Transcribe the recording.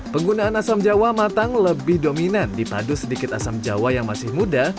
penggunaan asem jawa matang lebih dominan di padu sedikit asem jawa yang masih muda